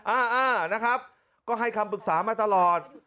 อ่านะครับก็ให้คำปรึกษามาตลอด